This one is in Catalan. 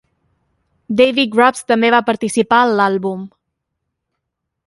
David Grubbs també va participar en l'àlbum.